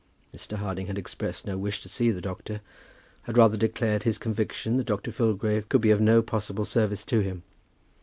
Mr. Harding had expressed no wish to see the doctor, had rather declared his conviction that Dr. Filgrave could be of no possible service to him.